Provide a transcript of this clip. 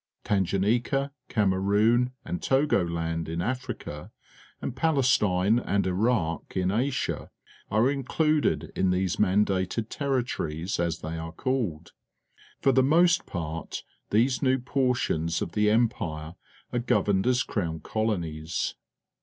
Tanganyika, Cameroon, and Togoland in Africa, and Palestine and Iraq _in Asia are included in these Miinddtcd Tirritcrics. as they are called. E'or the must part these new portions of the Empire are governed as Crown Colonies.